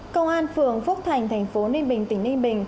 công an phường phúc thành tp ninh bình tp ninh bình